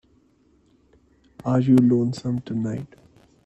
Are You Lonesome Tonight?